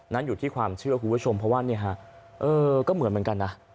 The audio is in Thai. นั้นอยู่ที่ความเชื่อคุณผู้ชมเพราะว่าเนี่ยฮะเออก็เหมือนเหมือนกันนะ